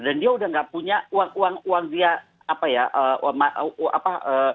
dan dia sudah tidak punya uang dia apa ya